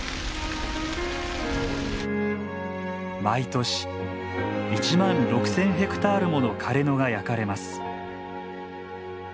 毎年１万６，０００ヘクタールもの枯れ野が焼かれます。